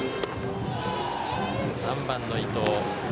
３番の伊藤。